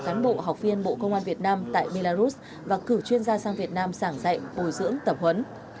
cán bộ học viên bộ công an việt nam tại belarus và cử chuyên gia sang việt nam sảng dạy bồi dưỡng tập huấn